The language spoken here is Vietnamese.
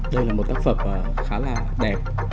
đây là một tác phẩm khá là đẹp